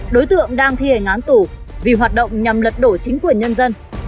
đối tượng đang thi hành án tù vì hoạt động nhằm lật đổ chính quyền nhân dân